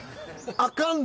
あかんの？